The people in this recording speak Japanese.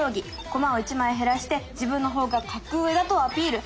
駒を１枚減らして自分の方が格上だとアピール！